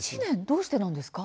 どうしてなんですか。